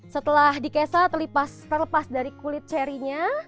setelah dikesa terlepas dari kulit cerinya